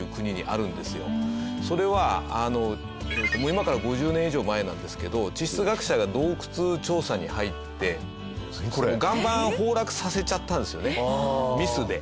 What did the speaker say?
それは今から５０年以上前なんですけど地質学者が洞窟調査に入って岩盤を崩落させちゃったんですよねミスで。